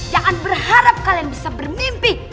jangan berharap kalian bisa bermimpi